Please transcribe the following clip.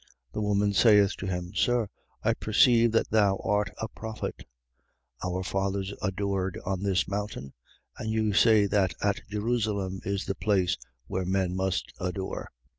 4:19. The woman saith to him: Sir, I perceive that thou art a prophet. 4:20. Our fathers adored on this mountain: and you say that at Jerusalem is the place where men must adore.